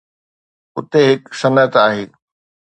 اتي هڪ صنعت آهي.